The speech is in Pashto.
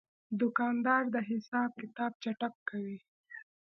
دوکاندار د حساب کتاب چټک کوي.